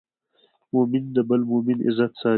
مؤمن د بل مؤمن عزت ساتي.